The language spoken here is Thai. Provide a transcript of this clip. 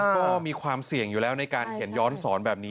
ก็มีความเสี่ยงอยู่แล้วในการเขียนย้อนสอนแบบนี้